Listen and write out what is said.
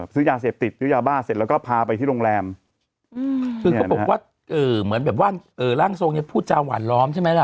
ซื้อยาเสพติดแล้วบ้าเสร็จแล้วก็พาไปที่โรงแรมล่างทรงนี้พูดจาหว่านล้อมใช่ไหมล่ะ